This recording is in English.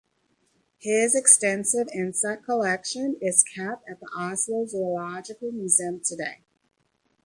His extensive insect collection is kept at the Oslo Zoological Museum today.